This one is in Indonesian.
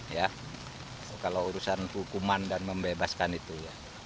ya kalau urusan hukuman dan membebaskan itu ya